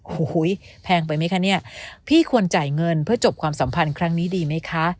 โอ้โหแพงไปไหมคะเนี่ยพี่ควรจ่ายเงินเพื่อจบความสัมพันธ์ครั้งนี้ดีไหมคะ